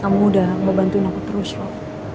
kamu udah mau bantuin aku terus loh